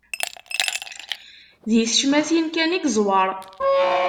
Di tecmatin kan i yeẓwer.